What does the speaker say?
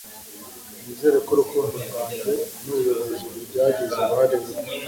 nizere ko urukundo rwanjye nubuyobozi byagize uruhare ruto